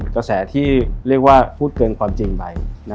กระแสที่เรียกว่าพูดเกินความจริงไป